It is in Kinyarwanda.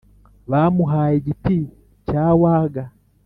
«bamuhaye igiti cya waga!»